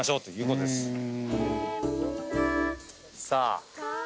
さあ。